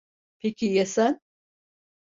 Peki ya sen?